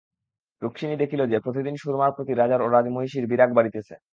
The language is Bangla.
রুক্মিণী দেখিল যে, প্রতিদিন সুরমার প্রতি রাজার ও রাজমহিষীর বিরাগ বাড়িতেছে।